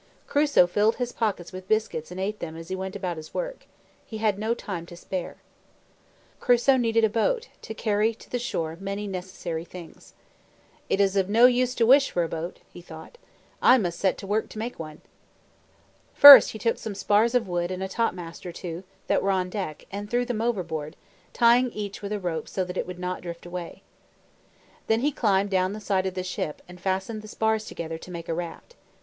Crusoe filled his pockets with biscuits and ate them as he went about his work. He had no time to spare. Crusoe needed a boat, to carry to the shore many necessary things. "It is of no use to wish for a boat," he thought, "I must set to work to make one." First he took some spars of wood and a topmast or two, that were on the deck, and threw them overboard, tying each with a rope so that it would not drift away. Then he climbed down the side of the ship, and fastened the spars together to make a raft.